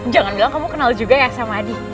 jangan bilang kamu kenal juga ya sama adi